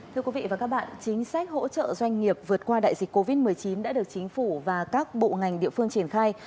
thưa quý vị và các bạn chính sách hỗ trợ doanh nghiệp vượt qua đại dịch covid một mươi chín đã được chính phủ và các bộ ngành địa phương triển khai